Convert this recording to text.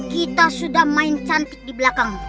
kita sudah main cantik di belakang